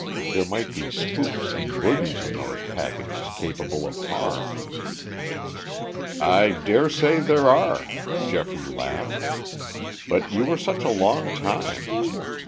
There might be spooks and bogies in those packages capable of harm. "I dare say there are," Geoffrey laughed. "But you were such a long time.